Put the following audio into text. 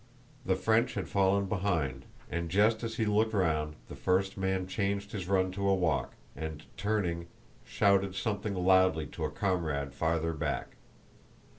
The French had fallen behind, and just as he looked round the first man changed his run to a walk and, turning, shouted something loudly to a comrade farther back.